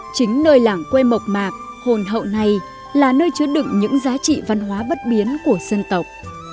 chính nơi làng quê mộc mạc hồn hậu này là nơi chứa đựng những giá trị văn hóa bất biến của dân tộc